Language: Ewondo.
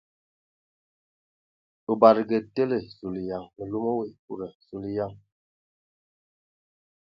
O badǝgǝ tele ! Zulǝyan ! Mǝ lum wa ekuda ! Zuleyan !